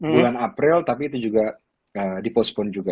bulan april tapi itu juga dipostpone juga